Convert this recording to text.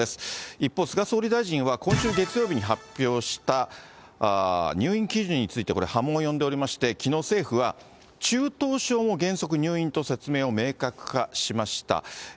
一方、菅総理大臣は今週月曜日に発表した入院基準について波紋を呼んでおりまして、きのう、政府は中等症も原則入院と説明を明確化しました。